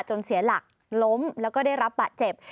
เสียหลักล้มแล้วก็ได้รับบาดเจ็บ